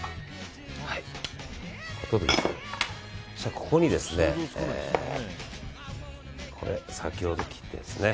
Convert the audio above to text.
ここに先ほど切ったやつね。